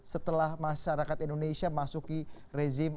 setelah masyarakat indonesia masuki rezim